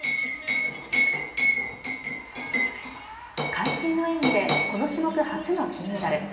会心の演技でこの種目初の金メダル。